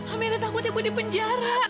amira takut ibu dipenjara